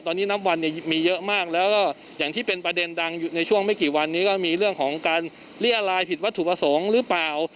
ตอนนี้นับวันเนี่ยมีเยอะมากแล้วก็อย่างที่เป็นประเด็นดังอยู่ในช่วงไม่กี่วันนี้ก็มีเรื่องของการเรียรายผิดวัตถุประสงค์หรือเปล่า